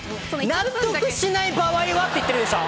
「納得しない場合は」って言ってるでしょ。